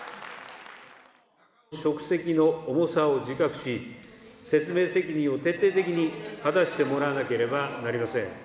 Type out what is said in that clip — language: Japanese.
職責の重さを自覚し、説明責任を徹底的に果たしてもらわなければなりません。